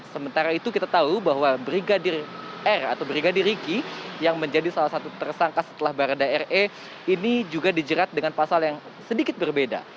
sementara itu kita tahu bahwa brigadir r atau brigadir riki yang menjadi salah satu tersangka setelah barada re ini juga dijerat dengan pasal yang sedikit berbeda